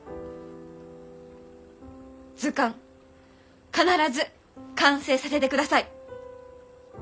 図鑑必ず完成させてください。